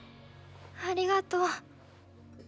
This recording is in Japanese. ありがと。